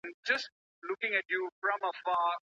د ښوونځي مقاله د ټولنیز بدلون پیلامه کیدلای سي.